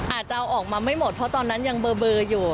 อาจจะเอาออกมาไม่หมดเพราะตอนนั้นยังเบอร์อยู่